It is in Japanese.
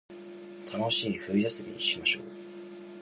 楽しい冬休みにしましょう